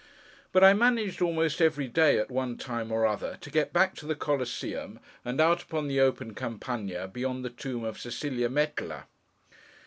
But, I managed, almost every day, at one time or other, to get back to the Coliseum, and out upon the open Campagna, beyond the Tomb of Cecilia Metella.